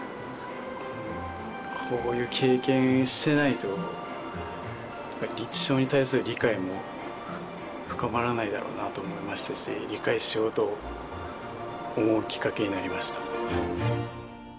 こういう経験してないと認知症に対する理解も深まらないだろうなと思いましたし理解しようと思うきっかけになりました。